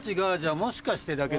もしかしてだけど